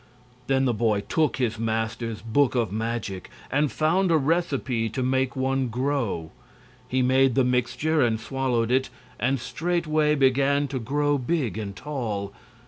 Then the boy took his master's book of magic and found a recipe to make one grow. He made the mixture and swallowed it, and straightway began to grow big and tall.